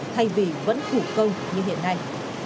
thay vì vẫn thủ công như hiện nay